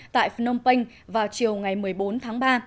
tại phnom penh vào chiều ngày một mươi bốn tháng ba